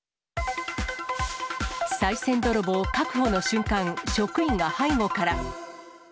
さい銭泥棒確保の瞬間、職員が背後から。